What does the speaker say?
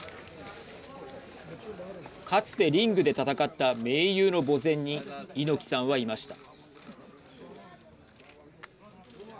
かつてリングで戦った盟友の墓前に猪木さんはいました。